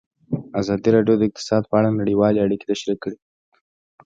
ازادي راډیو د اقتصاد په اړه نړیوالې اړیکې تشریح کړي.